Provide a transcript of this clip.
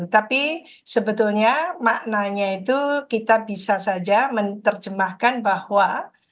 tapi sebetulnya maknanya itu kita bisa saja menerjemahkan bahwa